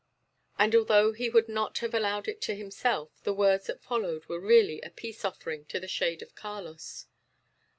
And, although he would not have allowed it to himself, the words that followed were really a peace offering to the shade of Carlos.